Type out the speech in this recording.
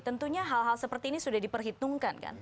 tentunya hal hal seperti ini sudah diperhitungkan kan